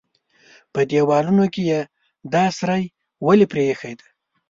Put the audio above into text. _په دېوالونو کې يې دا سوري ولې پرېښي دي؟